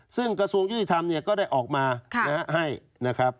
ซึ่งกระทรวงยุติธรรมเนี่ยก็ได้ออกมาให้นะครับ